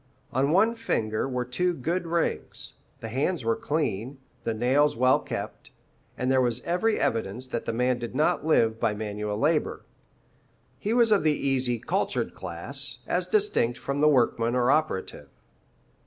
On one finger were two good rings, the hands were clean, the nails well kept, and there was every evidence that the man did not live by manual labour. He was of the easy, cultured class, as distinct from the workman or operative.